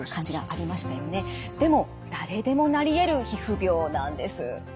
でも誰でもなりえる皮膚病なんです。